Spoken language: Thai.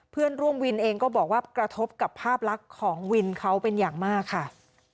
เพื่อนร่วมวินเองก็บอกว่ากระทบกับภาพลักษณ์ของวินเขาเป็นอย่างมากค่ะ